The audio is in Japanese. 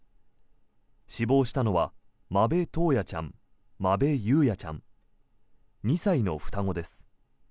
死亡したのは間部登也ちゃん、間部雄也ちゃん２歳の双子です。